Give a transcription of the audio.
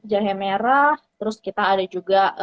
jahe merah terus kita ada juga